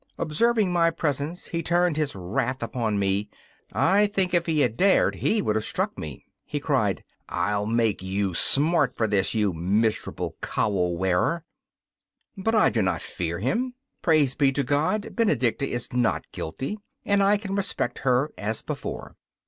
Observing my presence, he turned his wrath upon me; I think if he had dared he would have struck me. He cried: 'I'll make you smart for this, you miserable cowl wearer!' But I do not fear him. Praise be to God! Benedicta is not guilty, and I can respect her as before.